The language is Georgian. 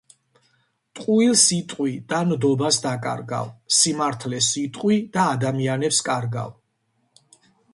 ტყუილს იტყვი და ნდობას დაკარგავ. სიმართლეს იტყვი და ადამიანებს კარგავ.